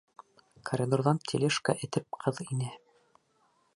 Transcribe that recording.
Коридорҙан тележка этеп ҡыҙ инә.